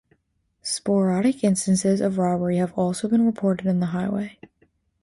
Sporadic instances of robbery have also been reported in the highway.